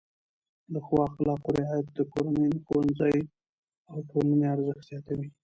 د ښو اخلاقو رعایت د کورنۍ، ښوونځي او ټولنې ارزښت زیاتوي.